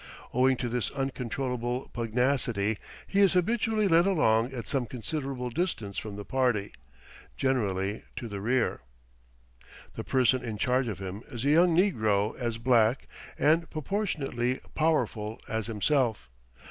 Owing to this uncontrollable pugnacity, he is habitually led along at some considerable distance from the party, generally to the rear. The person in charge of him is a young negro as black, and proportionately powerful, as himself.